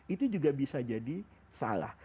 itu juga bisa jadi salah